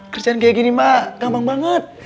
kerjaan kayak gini mak gampang banget